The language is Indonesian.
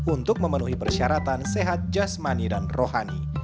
untuk memenuhi persyaratan sehat jasmani dan rohani